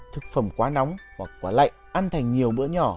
thực phẩm quá nóng hoặc quá lạnh ăn thành nhiều bữa nhỏ